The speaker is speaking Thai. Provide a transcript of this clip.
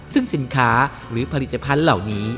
ซึ่งสินค้าหรือผลิตภัณฑ์เหล่านี้